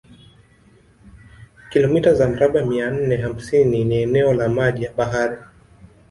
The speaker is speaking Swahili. kilomita za mraba mia nne hamsini ni eneo la maji ya bahari